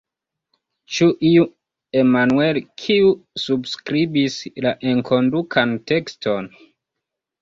Ĉu iu Emmanuel, kiu subskribis la enkondukan tekston?